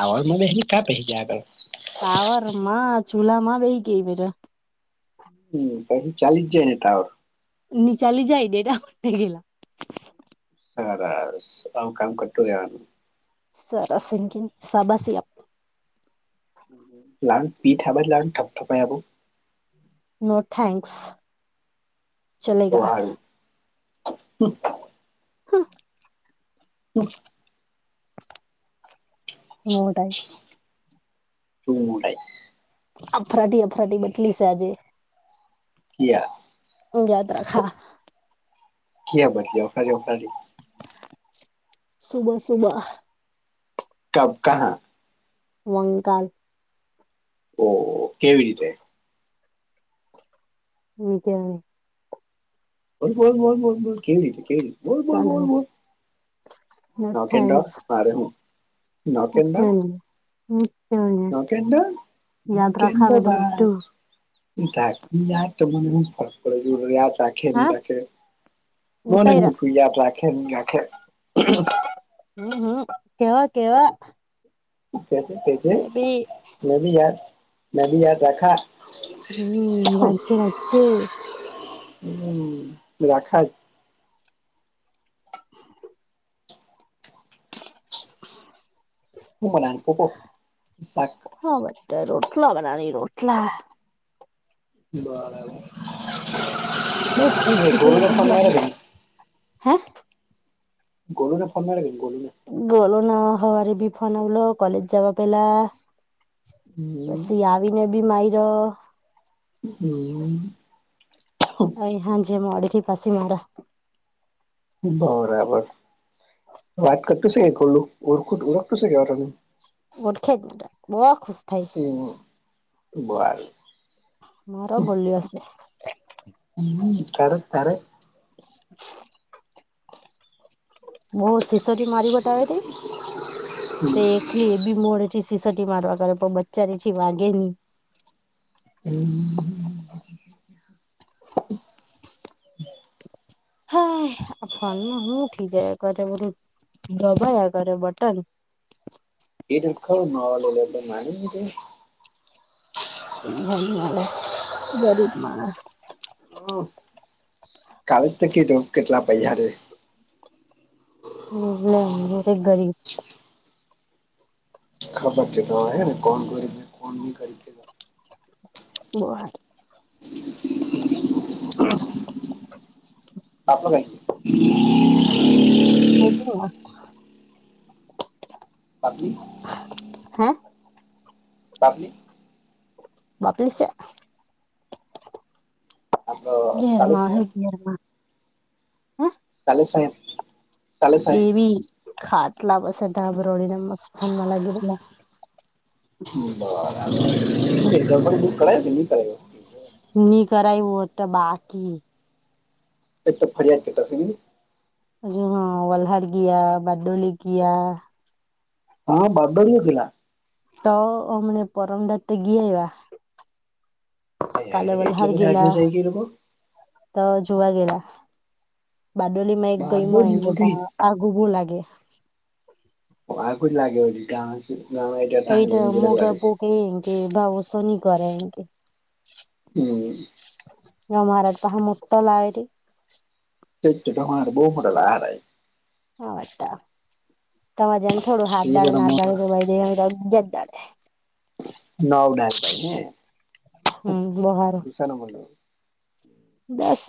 આવ મહેલી કા પેજ આગળ સાાવર માં ચૂલા માં બેહી ગઈ હમ કી ચલી જાયને તર નીચાલલી જાય ડે એટ પટે ગેલા હ કામ કરટુંવાનું સરસિ સાબસી આપ લાન પી થાબા લાન થપ થપ આવ નો થેન્ક્સ તો ચલેગા હ હા હા મોદાય હુંડાાય અફરાટી અફરાટી બટલી છે આજે યા યાદ રાખા ક્યાં બદલી વખરી વખા સુબહ સુબહ કબ કા વંગાલ ઓ હો કેવી રીતે નીચે નું બોલ બોલ બોલ બોલ કેવી હતી કેવી હતી બોલ બોલ ચાલો બોલ બોલ નો હા કે ના મારે હું હમ હા કે ના રાખા કેતો બેટા ભાઈ બધું ટાર ઈ ટાર તોમને હું ફ કે હું રાખે ન હા રાખે મને ઉતાયરા હુંખ દ રાખે ન રાખે હમ હમ કેવા કેવા કેજે કેજે મે બી મેં ભી યાદ મેં ભી યાદ રાખા હમ રાખજે રાખજે હમ રાખા હું બનાયુ કુકુર શાક હા બે રોટલા બનાવી રોટલા બરાબર બઉ ખૂટ તું ગોલુને તું ફોન માર્યો એટલે કે હે ગોલુ નો ફોન આવેલો ગોલુ નો ગોલુ ન હવારે ફોન આવેલો કોલેજ જવા પેલા હમ પછી આવીને બી માયરો હમ અરે હાંજે મોડું થયું પછી મારે બરાબર વાત કરતું છે કે ગોલુ ઓરખું ઓરખતો છે એવેયો તને ઓળખે જ બહુ ખુશ થાય ઉમ હમ બર મારો બોલ્યો સે હમ ક્યારેક ક્યારે બઉ સિસોટી મારી બતાવે ને તે થી એ બી મોડ છે સીસોટી મારવા કરે પણ બચ્ચા એ છે વાગે ની એમ હ આ ફોન માં હું ઠી જાયા કરે બધું દબાયા કરે બટન એ ડૂ કઉ નાવા જતો તો મારી તી તે એ ની મલે ગરીબ માણસ હમ કાલેજ તો કીધું કેટલા પૈહા જોઇએ હમ એટલી નથી ગરીબ ખબર તે તો અહે ને કોણ ગરીબ કોણ ભિખારી તું અહ આપો ને ખોટી વાત પાપડી છે હૈ બાપની બાપરી સે આપડો સાલે ધેરમાં અહે સાહેબ ઘેર માં હ સાલે સાહેબ સાલે સાહેબ તેવી ખાટલા વસ અતા આપ રે ડો દિવસ ફોનમાં લાગેલો ઇતો બરાબર એ ગણપતિ બુક કરાયું કે ની કરાયુ ની કરાઈ હો તો બાકી એક તો ફરિયાદ કેટ છે હજ હ વલલ્હડ ગયા બારડોલી ગયા હા બદડીયોલા તો મને પરમડાાતે ગી એવા અ કાલે એટલે વલહાડ બધ આગે ગેલા જઈ રો તો જોવા ગેલા બારડોલી માં એક ગયમ એ બારડોલી કે હોધી પણ આગવો લાગે હ આ કો જ લાગે એટ મોગા પકે એન કે ભાવ શની કર એકે હમ હ મહારાજ પ હા મોટો લાવેટ તે તો હર બહુ મોટ લ આાર છે હા વા તમાજને થોડું હાથ એ ડાળે બધા ના મોટા ડાળે દે જત ડાળે નાવ નાભાઈ હે હમ તછ ન બસ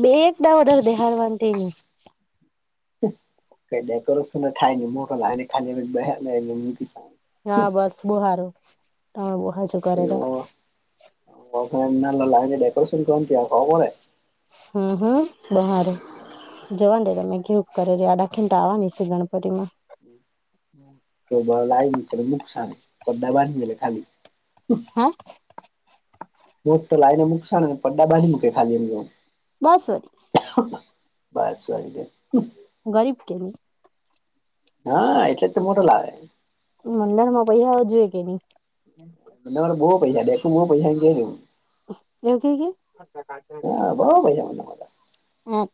બે એક ડ વડર બેહાર વાંધની કઈ ડેકોરેશન થાય નને મોટ લાગને ખાલી બને મી હા બસ બુહારું તમે બુહા છો કર તો ઘના ડેકોરેશન કર ત્યાં ખબ ને હા હા બહાર જવા દે તમેં કેવું કરે ર આડા ખ તોવાની છે ગણપતિ માં કે બ લ આવી નુકસાન પડ્ડાા બાંધી ગે ખાલી હ મોટ તો લાઈને મૂકશ ને પડડા બાંધ મૂકે ખાલી એમ બસરી બસ વા ગ ગરીબ કેની હા એટલે તો મોટો લાવે મંદણ માં પૈસા જોુઈએ કે નહી મર બુ પૈસા દેખું પૈસા ક દે દઉું એવ કે કે હા બહુ પૈસા મને મારા હ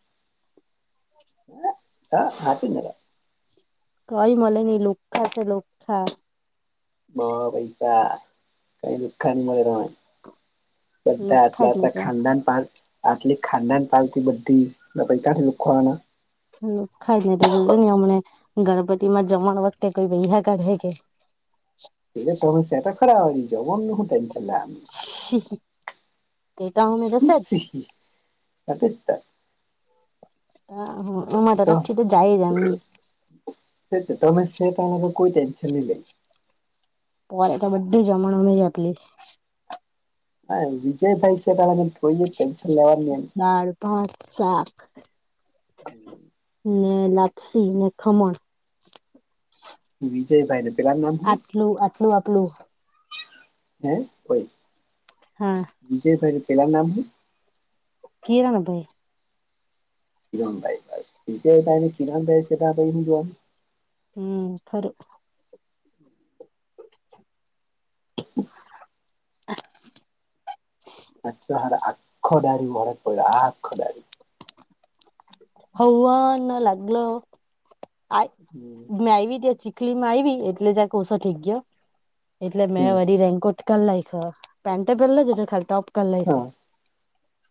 હ હ હાચી મેરા કઈ મળે નઈ લોખા છે લોખા બ પૈસા કઈ દુખાન મળેય બધા લુખ્ખા આલા જ આ ની તો ખાનદાન પાલ આલી ખાનદાન પાલખ બધી ત પી કઠઢલું ખવાના ખાઈ ને તો જોજો ને હમને ગણપતિ માં જમણ વખતે કઈ ભૈયા કરઢે કે એલે તમે શ ખરા હો જમન નહુંટેમ ચલા તે તા મે દસેજ પચ છે હ હ મામાં દાતક ઠ તો જાય જામ બ તો તમે છે ત કોઈ ટેન્શન નહી લઈ પોરે તો બધું જમણ ન જ આપલી હા વિજય ભાઈ છે પોય ટટેનશન લેવાની પાંચ સાાખ ને લપસી ને ખમણ એમ વિજયભાઈને આટલું આટલું આપણું હમ કોઈ હા વિજય થાઈ પેલા નામ શ કિરણ ભાઈ કિીને કિરા થાય છે હું જોવાનું હમ ખરું હ [inaudible] નાચ હાર આખ ડારી ભરે પડલા આખ ડારી હવાર લાગો લયો આ મેં આવી ત્યાં ચીખલી માં આવી એટલે જ્યાં કોસો થઠઈક ગયો એટલે મેં હમ વરી રેન્કોટ કર લક પેન્ટ પહેલા જટ ખાલી ટોપ લખો હા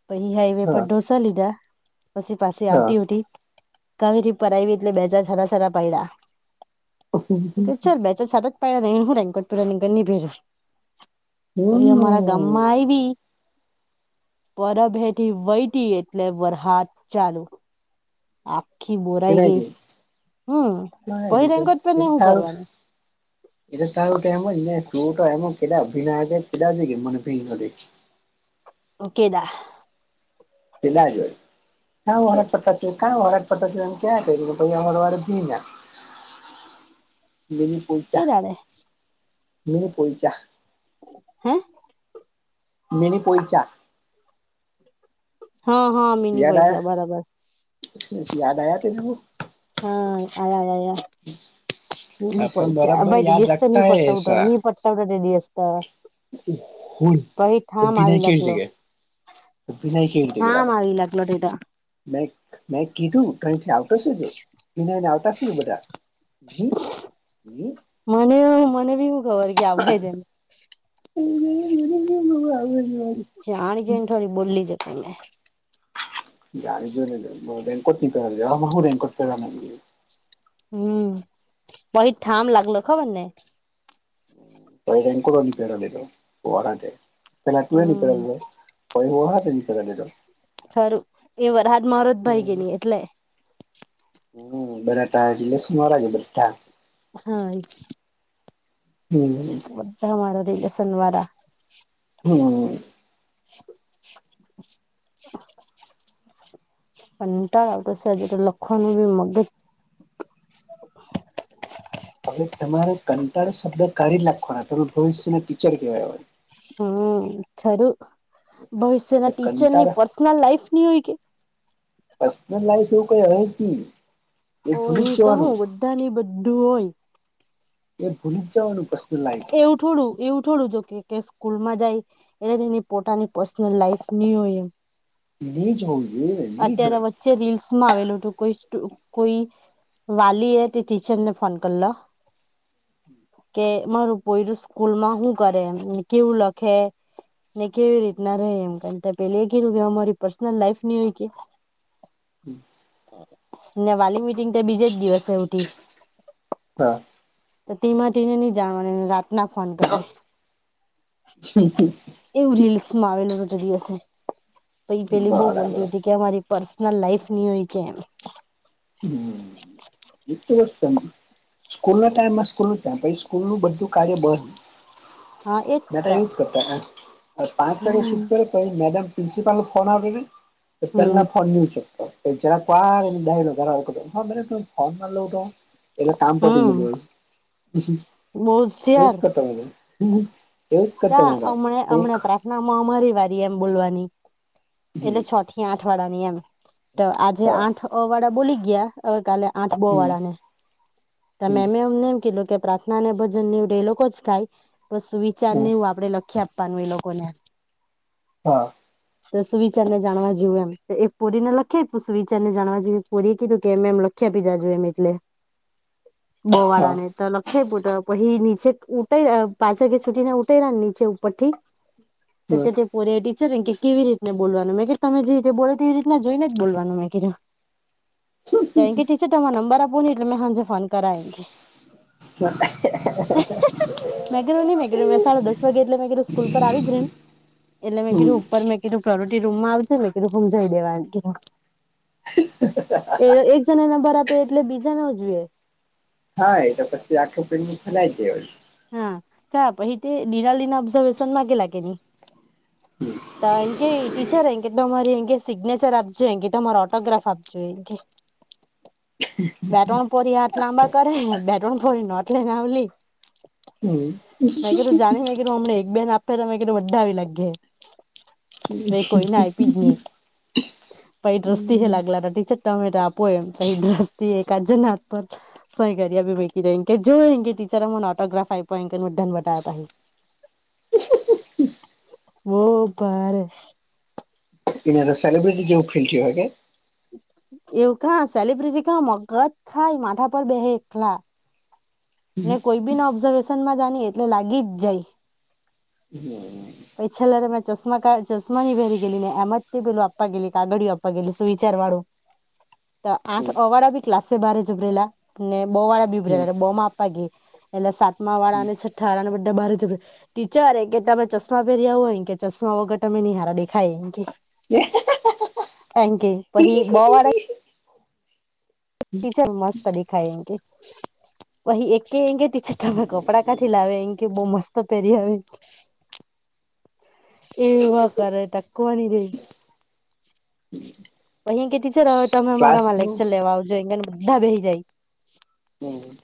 પછી હાઈવે પર હા ઢોસા લીધા પછી પાસે હા આવતી હોઠ કાવરી પ આવી એટલે બેજજ સરા સરા હમ પૈડા્યા બે સાદત પલા ન હું રેન્કટ પુરા નીકનીભેર કોઈ અમારા ગામમાં આવી પરભેઠી વહેટી એટલે વરસાદ ચાલુ આખી બોરાઈ ગઈ ભીનાઈ હમ પહી છે રેન્કોટ પેરને ના હું તોાલ કરવાની એટ સારું તો એમ જ ને તું તો એમ કે ભી કેા કે મને ભીન ને ઓકેદા પ કે કરા પતા કરા પ ક્યાં કર્યું કે પરવારે ભીને દ કોઈ કેદાડે હ કોઈચ હા મિની પોઈચા [inaudible] હા હા મિની યાદ પૈસા બરાબર આયા યાદ આયા તનેું હા આ આપન પૈચ બરાબર ભાઈ યાદ રેડીસત ન રખતા પટઉટ પટવટ રેડીસત હલ આવી વિનાયકી લાગલો જગ્યા ભી નાય કે એ જ ઠામ ગલાો આવી લાગલો ટેટા મેં મેં કીધું તોહીથી આવતોશે જો કને એને આવતાશે બધા હમ હમ મને મને બી હું ખબર કે આજને એું આવગ ાણી જોઈને થોડી બોલી જતો મેં ગાડી જો બેંક ન હું બેંક પ હમ બહ થઠામ લાગલો ખબર ને વઈ ર એનકડની પેરો લ તો વરાે ખેલા ટ હમ નનીલા હોય હા નનીલા ર ખરું એ વર હાજ મારોજ ભાઈ ગઈ હમ ન એટલે હમ બરાટાટલે સુમરજે બરાટા હા એ હમ બધામારા રી રે સનવારા હમ [inaudible] કંટારો આવતો છે આજે તો લખવાનું ભી મગજ હવે તમારો કંટાળો શબ્દ કાડી નાખવાના તમારું ભવિષ્ય ટીચર કેવાય હમ ખરું ભવિષ્યના એટલે ટીચર ની કંટાળા પર્સનલ લાઈફ ની હોય કે પર્સનલ લાઈફ એવું કઈ હ ઓ એ તો હું બધાની બધું હોય એ ભૂલી જવાનું વસ્ત લ એવું થોડું એવું થોડું જો કે સ્કૂલ માં જાય એટલે તેની પોતાની પર્સનલ લાઈફ નની હોય એમ જ હોલ અત્યારે વચ્ચે રીલ્સ માં આવેલું હતું કોઈ કોઈ વાલી એ તે ટીચરને ફોન કરલો કે મારું પોયરું સ્કૂલમાં શું કરે કેવું લખે ને કેવી રીત ના રહે એમ કાર પેલી એ કીધું કે અમારી પર્સનલ લાઈફ ની હો કે હમ ને વાલી મિટિંગ તો બીજેજ દિવસે ઉઠી હા તો તેીમાં તેને નહી જાણવાની રાતના ફોન કરે હમ હમ એવું રીલ્સ માં આવેલું હત દિવસે પ પેલી બહુ બરાબર બોલતી હતી કે અમારી પર્સનલ લાઈફ નું કે હમ એક વસ્તુ સ્કૂલ ના ટાઈમમાં સ્કૂલ ન થ પછી સ્કૂલ નું બધું કાર્ય બંધ હા એજ મે તો ય કરતા પાંચ ત હમ શટ કર પછ મેડમ પ્રિન્સિપાલ ફોન તો હમ તેમના ફોન લવં શકતો એ જ ફોન લઉ તો એટલે કામ પડી હમ ગયેલું બહુ એ કરતા ત અમણે અમને પ્રા ના મહમારી વાળી એમ બોલવાની એટલે હમ છ થી આઠ વાળા ની એમ તો આજે હા આઠ વાળા બોલી ગયા કાલે આઠ બો હમ વાળા ને મે હમ એમને એમ કીધું કે પ્રાર્થના ને ભજન ને લોકો જ ખાય બ વિચાર હમ નેવ આપડે લખ ખ્યા આપવાનું એ લોકોને હા તો સુવિચાર ને જાણવા જેવું એમ એક પુરીને લખે સુવિચાર ને જાણવા જે પુરી કીું કેમ એમખ ખ્યા પીધા જોઈ એમ એટલે હા બોવાડાને તો લખે પુટ પ હી નીચે ઉઠાઈ પાચ કેે છુટી ને ઉઠાઈ ર ને નીચે ઉપર થીી હ તો તેથી ઓરે ટીચર એ કે કેવી રીતને બોલવાનું મેં કે તમે જે રીતે બોલે તેવી રીતને જોઈને જ બોલવાનું મેં ક થયુ ટીચર તમારે નંબર આપો નને એટલે મેં સાંજે ફોન કરાય [inaudible] ગે એટલે મે સ્કૂલ પર આવી જ રમ એટલે મેં હમ કીધું ઉપર મેં કીધું ફ્લોટી રૂમ માં આવશે ને કેધું રમ જઈ દેવા કીધ [inaudible] એ એક જણા નંબર આપે એટલે બીજાને જોઈએ હા એ તો પછી આખો ફલાય દે હોય હા તો હ લીના લિના ઓબ્ઝર્વેેશન મામાંગે લાગે નની ત એ કે ટીચર એ કેટ મારી એ કે સિગ્નેચર આપજોએ એ કે તમારે ઓટોગ્રાફ આપજોએ એ કે બેટણ પોરી આટ લાંબા કરે બેટ્રણ પોરી નટ લેનેવલી હમ મેં ક તું જાણીને મે કે હું અમને એક બેન આપે તો મેં બધા આવી લાગે ભ કોઈ ના આય ભીજની [inaudible] [inaudible] [inaudible] [inaudible] [inaudible] ઓહ ભાઈ એ સલબ્રિટી જેવુ ફિલ હો કે એવું સલબ્રિટી ખા મગજ ખાય માથા પર બે હ એકલા. ને કોઈ બી ને ઓબ્ઝર્વેશન માં જાણી એટલે લાગી જ જાય. હમમ. પછ છેલ્લાે મેં ચશ્મા ની ભેરી ગેલી ને એમાં જ તે પેલું આપવા ગેલી કાગળડીઓ આપવા ગેલી શું વિચારવાળો. હ તો આઠ અ વાળા બી ક્લાસે બારે ઉભરેલા ને બો વાળા બી હમ ઉભરેલા હમ બ માં એટલે સાતમા વાળા અને છઠ્ઠા વાળા ને બધા બ ટીચર કે તમે ફેર હોય કે ચશ્મા વગર ત અમે હારા દેખાય એમ કે હ એમ કે પછી બ વાર ટીચર મસ્ત દેખાઈ કે પછી એકે એ ત ચાર તમે કપડા ક્યાંથી લાવે એ કે બ મસ્ત પેર [inaudible] એ વા કરે તકવાની રઈ અહી કે ટીચર આવે તમે ક્લાસ અમારામાં નું લેક્ચર લેવા આવજો એને બધા બેહી જાય. હમ